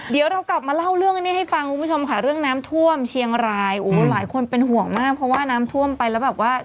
เดี๋ยวเรากลับมาเล่าเรื่องนี้ให้ฟังคุณผู้ชมค่ะเรื่องน้ำท่วมเชียงรายโอ้โหหลายคนเป็นห่วงมากเพราะว่าน้ำท่วมไปแล้วแบบว่า